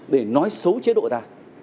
để nói xấu chế độ ta